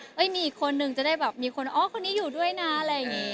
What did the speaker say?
มีอีกคนนึงจะได้แบบมีคนอ๋อคนนี้อยู่ด้วยนะอะไรอย่างนี้